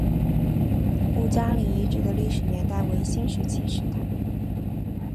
吴家岭遗址的历史年代为新石器时代。